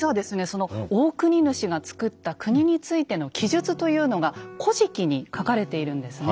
その大国主がつくった国についての記述というのが「古事記」に書かれているんですね。